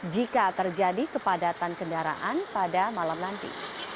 jika terjadi kepadatan kendaraan pada malam nanti